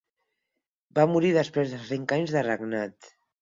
Va morir després de cinc anys de regnat.